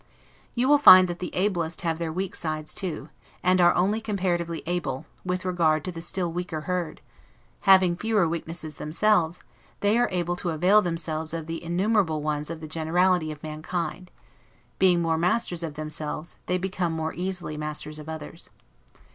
You will find that the ablest have their weak sides too, and are only comparatively able, with regard to the still weaker herd: having fewer weaknesses themselves, they are able to avail themselves of the innumerable ones of the generality of mankind: being more masters of themselves, they become more easily masters of others.